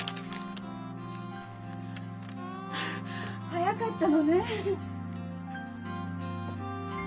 早かったのね。